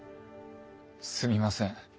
すみません。